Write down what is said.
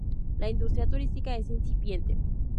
La industria turística es incipiente.